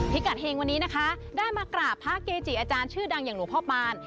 พี่กัดเฮงวันนี้นะคะได้มากราบพระเกจิอาจารย์ชื่อดังอย่างหลวงพ่อปาน